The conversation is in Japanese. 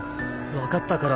分かった。